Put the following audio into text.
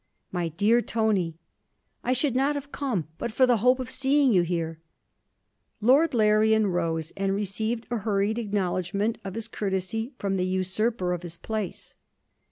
'My dear Tony! I should not have come but for the hope of seeing you here.' Lord Larrian rose and received a hurried acknowledgement of his courtesy from the usurper of his place.